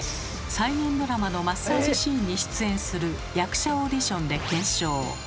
再現ドラマのマッサージシーンに出演する役者オーディションで検証。